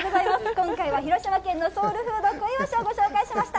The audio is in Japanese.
今回は広島県のソウルフード、小イワシをご紹介しました。